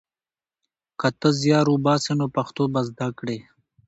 که ته زیار وباسې نو پښتو به زده کړې.